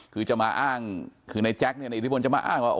คือจะมาอ้างคือในแจ๊คเนี่ยในอิทธิพลจะมาอ้างว่า